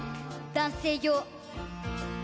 男性用。